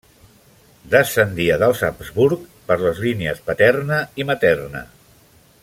Descendia dels Habsburg per les línies paterna i materna.